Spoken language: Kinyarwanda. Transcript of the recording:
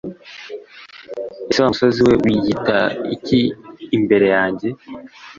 ese wamusozi we wiyita iki imbere yanjye